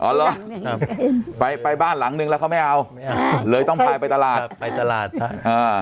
เหรอไปไปบ้านหลังนึงแล้วเขาไม่เอาเลยต้องพาไปตลาดไปตลาดใช่อ่า